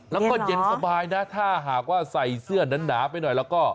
แล้วก็เย็นสบายนะถ้าหากว่าใส่เสื้อหนาไปหน่อยแล้วก็